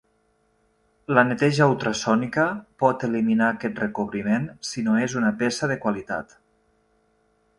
La neteja ultrasònica pot eliminar aquest recobriment, si no és una peça de qualitat.